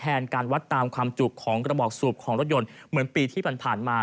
การวัดตามความจุของกระบอกสูบของรถยนต์เหมือนปีที่ผ่านมา